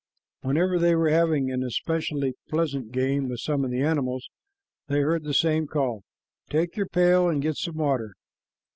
Whenever they were having an especially pleasant game with some of the animals, they heard the same call, "Take your pail and get some water."